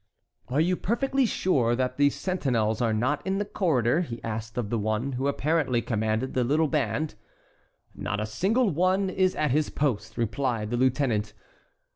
"Are you perfectly sure that the sentinels are not in the corridor?" he asked of the one who apparently commanded the little band. "Not a single one is at his post," replied the lieutenant.